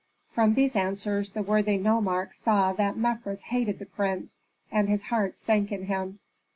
From these answers the worthy nomarch saw that Mefres hated the prince, and his heart sank in him.